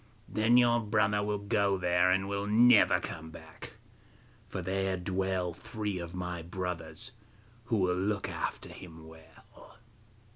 Then your brother will go there, and will never come back, for there dwell three of my brothers who will look after him well.